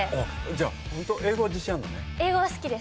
じゃあ英語は自信あんのね？